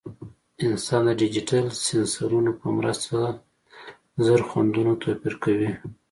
انسان د ډیجیټل سینسرونو په مرسته زر خوندونه توپیر کوي.